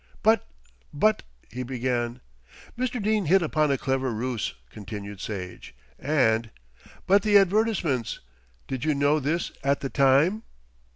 "But but " he began. "Mr. Dene hit upon a clever ruse," continued Sage, "and " "But the advertisements! Did you know this at the time?"